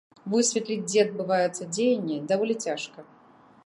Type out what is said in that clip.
Высветліць, дзе адбываецца дзеянне, даволі цяжка.